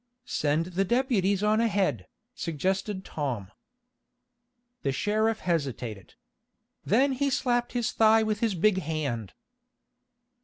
"Send the deputies on ahead," suggested Tom. The sheriff hesitated. Then he slapped his thigh with his big hand.